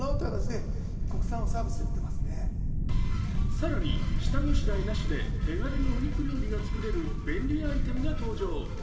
更に下ごしらえなしで手軽にお肉料理が作れる便利アイテムが登場。